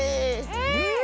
うん！